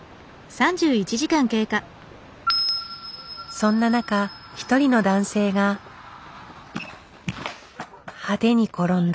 そんな中一人の男性が派手に転んだ。